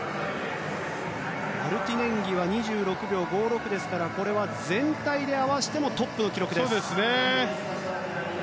マルティネンギは２６秒５６ですからこれは全体で合わせてもトップの記録です。